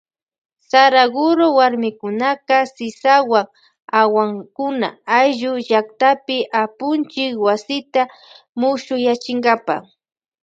Saraguro warmikunaka sisawan awankuna ayllu llaktapi apunchik wasita mushuyachinkapa.